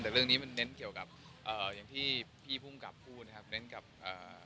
แต่เรื่องนี้มันเน้นเกี่ยวกับเอ่ออย่างที่พี่ภูมิกับพูดนะครับเน้นกับอ่า